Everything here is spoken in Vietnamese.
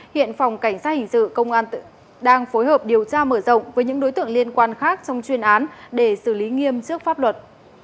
hiện phòng cảnh sát hình sự công an đang phối hợp điều tra mở rộng với những đối tượng liên quan khác trong chuyên án để xử lý nghiêm trước pháp luật